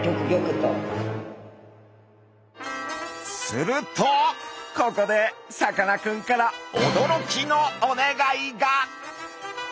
するとここでさかなクンから驚きのお願いが！